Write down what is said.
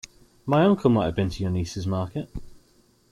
My uncle may have been to your niece's market.